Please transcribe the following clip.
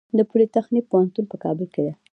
د پولي تخنیک پوهنتون په کابل کې دی